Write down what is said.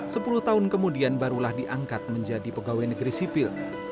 sepuluh tahun kemudian barulah diangkat menjadi pegawai negeri sipil